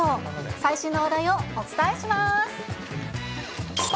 最新の話題をお伝えします。